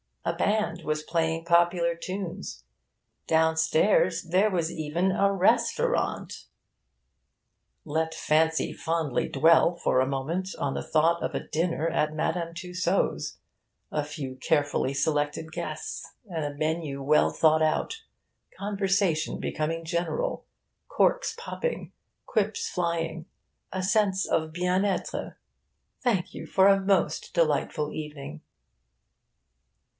A band was playing popular tunes. Downstairs there was even a restaurant. (Let fancy fondly dwell, for a moment, on the thought of a dinner at Madame Tussaud's: a few carefully selected guests, and a menu well thought out; conversation becoming general; corks popping; quips flying; a sense of bien etre; 'thank you for a most delightful evening.')